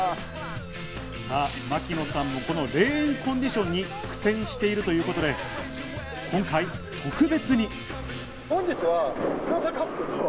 さぁ、槙野さんもレーンコンディションに苦戦しているということで、今回、特別に。